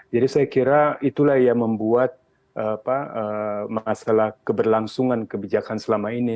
jadi saya kira itulah yang membuat masalah keberlangsungan kebijakan selama ini